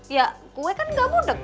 ya gue kan enggak mudek